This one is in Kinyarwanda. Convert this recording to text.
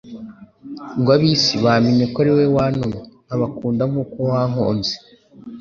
ngo ab'isi bamenye ko ari wowe wantumye, nkabakunda nk'uko wankunze.»